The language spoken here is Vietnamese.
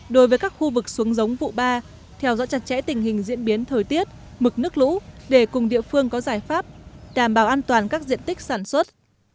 đối với các khu vực xuống giống vụ ba theo dõi chặt chẽ tình hình diễn biến thời tiết mực nước lũ để cùng địa phương có giải pháp đảm bảo an toàn các diện tích sản xuất